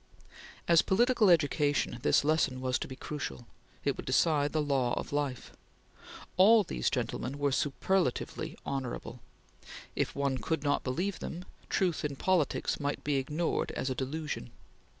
As political education, this lesson was to be crucial; it would decide the law of life. All these gentlemen were superlatively honorable; if one could not believe them, Truth in politics might be ignored as a delusion.